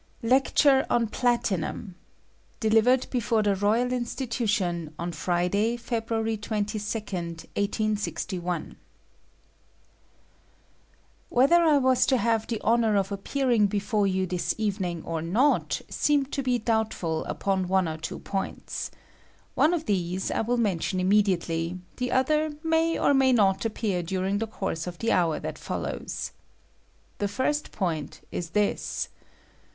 LECTURE ON PLATINUM. IDeliEered before the BorAL Institdiios on Friday, Feftrunry 22, leei.] Whether I was to have tlie honor of ap pearing before jou this evening or not seemed to be doubtful upon one or two points. One of these I will mention immediately ; the other may or may not appear during the course of the hour that follows. The first point is this.